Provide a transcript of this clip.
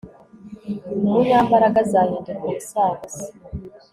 umunyambaraga azahinduka ubusabusa